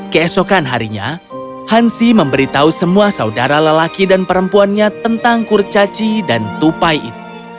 keesokan harinya hansi memberitahu semua saudara lelaki dan perempuannya tentang kurcaci dan tupai itu